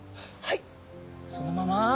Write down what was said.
はいそのまま。